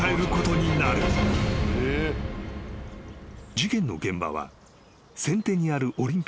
［事件の現場は］